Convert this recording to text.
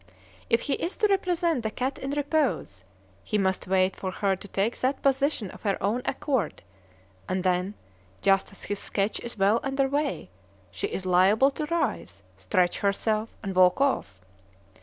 If he is to represent the cat in repose, he must wait for her to take that position of her own accord; and then, just as his sketch is well under way, she is liable to rise, stretch herself, and walk off.